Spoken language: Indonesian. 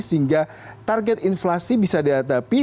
sehingga target inflasi bisa dihadapi